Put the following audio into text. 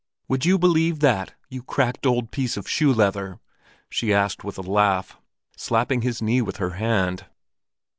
Would you believe that, you cracked old piece of shoe leather?" she asked with a laugh, slapping his knee with her hand.